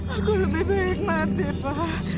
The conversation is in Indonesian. aku lebih baik mati ma